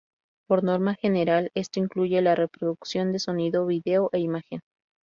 Por norma general, esto incluye la reproducción de sonido, vídeo e imágenes.